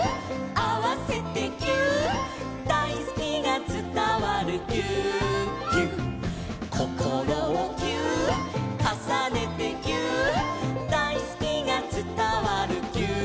「あわせてぎゅーっ」「だいすきがつたわるぎゅーっぎゅっ」「こころをぎゅーっ」「かさねてぎゅーっ」「だいすきがつたわるぎゅーっぎゅっ」